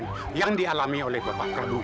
masa ini kalau piecesnya suka tersanggup